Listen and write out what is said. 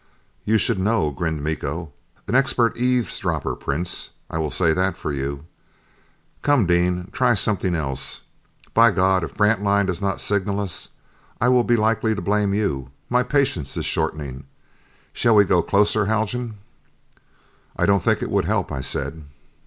"You should know," grinned Miko. "An expert eavesdropper, Prince, I will say that for you.... Come, Dean, try something else. By God, if Grantline does not signal us, I will be likely to blame you my patience is shortening. Shall we go closer, Haljan?" "I don't think it would help," I said.